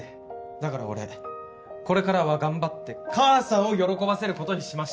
だから俺これからは頑張って母さんを喜ばせることにしました。